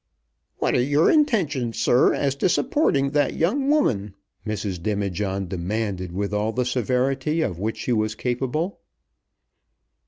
"What are your intentions, sir, as to supporting that young woman?" Mrs. Demijohn demanded with all the severity of which she was capable.